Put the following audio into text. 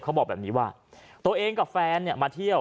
คนเจ็บเขาบอกแบบนี้ว่าตัวเองกับแฟนเนี่ยมาเที่ยว